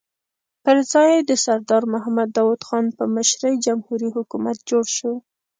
پر ځای یې د سردار محمد داؤد خان په مشرۍ جمهوري حکومت جوړ شو.